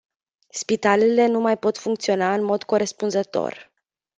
Spitalele nu mai pot funcționa în mod corespunzător.